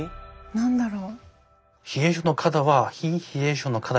何だろう。